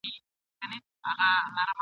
موږ پخپله ګناه کاریو ګیله نسته له شیطانه !.